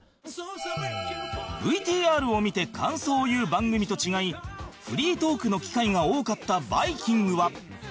ＶＴＲ を見て感想を言う番組と違いフリートークの機会が多かった『バイキング』は